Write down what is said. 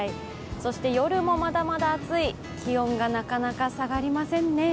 そして夜もまだまだ暑い、気温がなかなか下がりませんね。